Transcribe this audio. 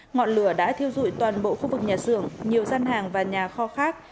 ngọn lửa đã thiêu dụi toàn bộ khu vực nhà xưởng nhiều gian hàng và nhà kho khác